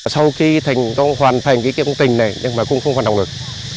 sau khi thành công hoàn thành cái công trình này nhưng mà cũng không hoạt động được